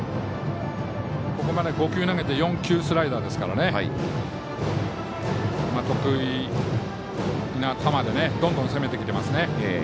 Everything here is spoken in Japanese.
ここまで５球投げて４球、スライダーですから得意な球でどんどん攻めてきてますね。